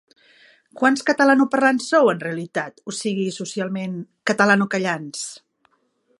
Quants catalanoparlants sou en realitat, o sigui, socialment, 'catalanocallants'...?